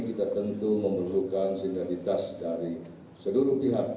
kita tentu memerlukan sinergitas dari seluruh pihak